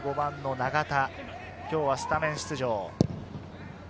永田、今日はスタメン出場。